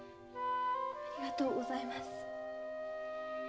ありがとうございます。